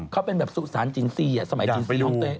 เขาเป็นแบบสุสานจีนซีอะสมัยจีนซีฮองเต้